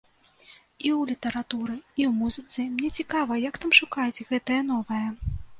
І ў літаратуры, і ў музыцы мне цікава, як там шукаюць гэтае новае.